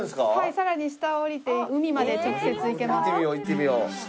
さらに下へ下りて海まで直接行けます。